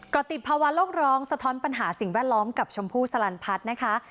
ก็ติดภาวะโลกร้องสะท้อนปัญหาสิ่งแวดล้อมกับชมพู่สลันพัฒน์นะคะ